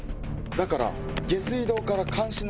だから。